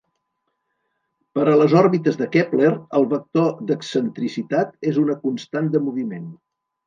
Per a les òrbites de Kepler, el vector d'excentricitat és una constant de moviment.